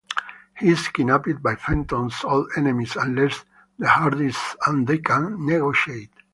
He is kidnapped by Fenton's old enemies unless the Hardys and they can negotiate.